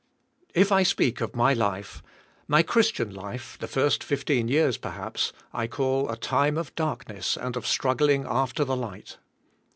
If I speak of my life, my Christian life, the first fifteen years, perhaps, I call a time of darkness and of strug gling after the light.